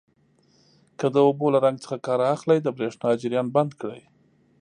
که د اوبو له رنګ څخه کار اخلئ د بریښنا جریان بند کړئ.